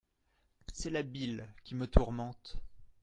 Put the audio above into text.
C’est la bile qui me tourmente.